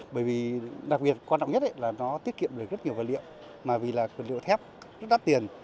bởi vì đặc biệt quan trọng nhất là nó tiết kiệm được rất nhiều vật liệu mà vì là vật liệu thép đắt tiền